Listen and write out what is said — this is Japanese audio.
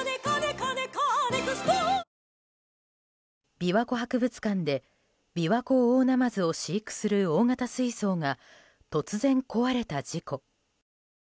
琵琶湖博物館でビワコオオナマズを飼育する大型水槽が突然、壊れた事故。